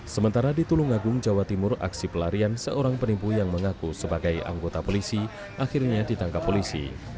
sementara di tulungagung jawa timur aksi pelarian seorang penipu yang mengaku sebagai anggota polisi akhirnya ditangkap polisi